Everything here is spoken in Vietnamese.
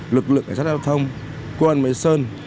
lực lượng cảnh sát giao thông công an sơn